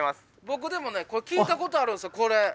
僕でもね聞いたことあるんですよこれ。